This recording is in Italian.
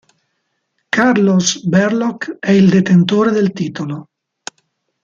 Carlos Berlocq è il detentore del titolo.